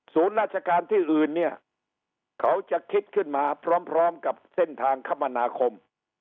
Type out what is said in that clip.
ราชการที่อื่นเนี่ยเขาจะคิดขึ้นมาพร้อมกับเส้นทางคมนาคม